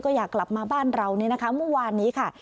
ก็อยากกลับมาบ้านเรานี่นะคะเมื่อวานนี้ค่ะ